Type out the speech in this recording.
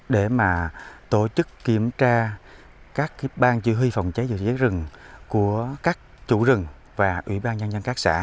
để tổ chức kiểm tra các ban chữ huy phòng cháy dưới giấy rừng của các chủ rừng và ủy ban nhân dân các xã